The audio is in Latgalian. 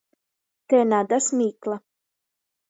Te na da smīkla!